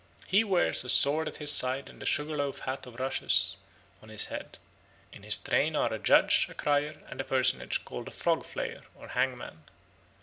He wears a sword at his side and a sugar loaf hat of rushes on his head. In his train are a judge, a crier, and a personage called the Frog flayer or Hangman.